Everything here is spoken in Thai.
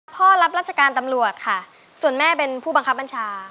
รับราชการตำรวจค่ะส่วนแม่เป็นผู้บังคับบัญชา